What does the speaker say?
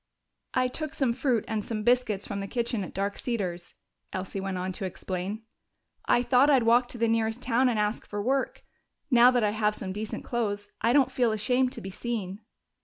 "I took some fruit and some biscuits from the kitchen at Dark Cedars," Elsie went on to explain. "I thought I'd walk to the nearest town and ask for work. Now that I have some decent clothes, I don't feel ashamed to be seen."